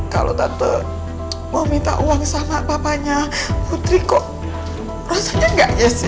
kalau tante mau minta uang sama papanya putri kok rasanya nggak yes ya